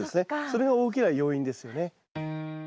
それが大きな要因ですよね。